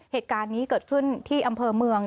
เหตุการณ์นี้เกิดขึ้นที่อำเภอเมือง